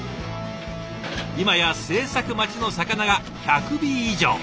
今や制作待ちの魚が１００尾以上。